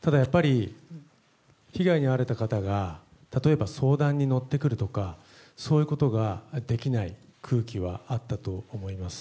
ただやっぱり、被害に遭われた方が、例えば相談に乗ってくるとか、そういうことができない空気はあったと思います。